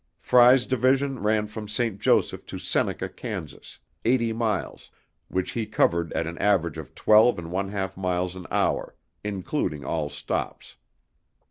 Frey's division ran from St. Joseph to Seneca, Kansas, eighty miles, which he covered at an average of twelve and one half miles an hour, including all stops.